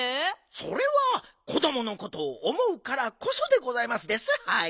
それは子どものことをおもうからこそでございますですはい。